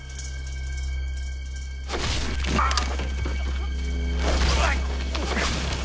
あっ！